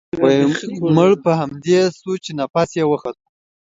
مړ په همدې سو چې نفس يې و خوت.